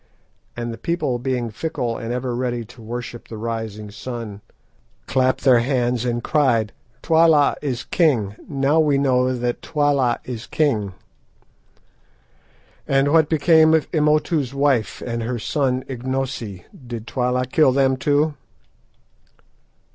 And the people being fickle, and ever ready to worship the rising sun, clapped their hands and cried, 'Twala is king! Now we know that Twala is king!'" "And what became of Imotu's wife and her son Ignosi? Did Twala kill them too?"